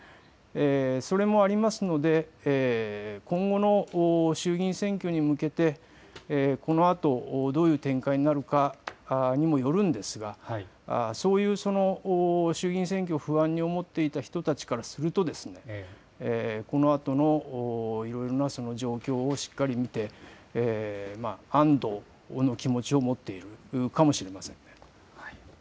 それもありますので今後の衆議院選挙に向けてこのあとどういう展開になるかにもよるんですがそういう衆議院選挙を不安に思っていた人たちからするとこのあとのいろいろな状況をしっかり見て安どの気持ちを持っているかもしれません。